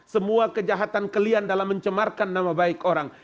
semua kejahatan kalian dalam mencemarkan nama baik orang